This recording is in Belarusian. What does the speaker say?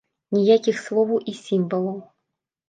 Ніякіх словаў і сімвалаў.